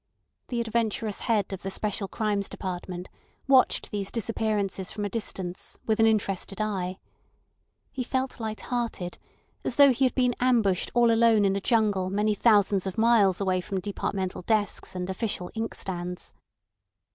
The adventurous head of the Special Crimes Department watched these disappearances from a distance with an interested eye. He felt light hearted, as though he had been ambushed all alone in a jungle many thousands of miles away from departmental desks and official inkstands.